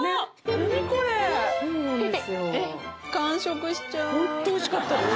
何これ⁉ホントおいしかったです！